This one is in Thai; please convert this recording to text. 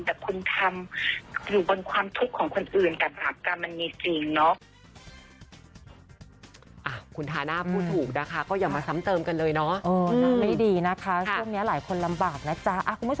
แต่คุณทำอยู่บนความทุกข์ของคนอื่นแต่ถามกันมันมีจริงเนาะ